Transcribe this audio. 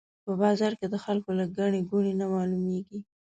په بازار کې د خلکو له ګڼې ګوڼې نه معلومېږي.